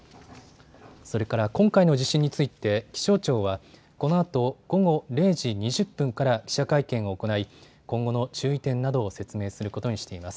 それから今回の地震について気象庁はこのあと午後０時２０分から記者会見を行い、今後の注意点などを説明することにしています。